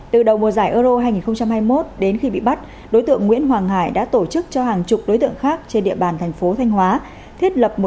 từ đầu mùa giải euro hai nghìn hai mươi một đến khi bị bắt đối tượng nguyễn hoàng hải đã tổ chức cho hàng chục đối tượng khác trên địa bàn thành phố thanh hóa thiết lập